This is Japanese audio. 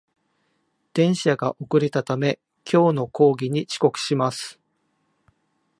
電車が遅れたため、今日の講義に遅刻します